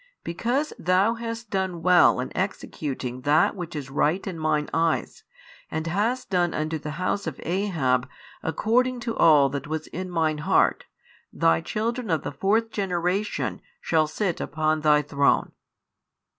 Because thou hast done well in executing that which is right in Mine eyes, and hast done unto the house of Ahab according to all that was in Mine heart, thy children of the fourth generation shall sit upon thy throne.